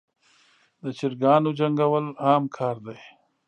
دچراګانو جنګول عام کار دی.